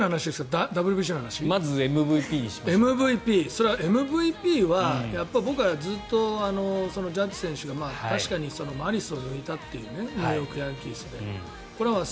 それはＭＶＰは僕はずっとジャッジ選手が確かにマリスを抜いたというニューヨーク・ヤンキースで。